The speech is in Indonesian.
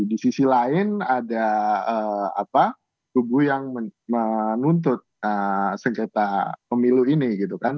di sisi lain ada kubu yang menuntut sengketa pemilu ini gitu kan